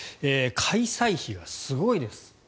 開催費がすごいです。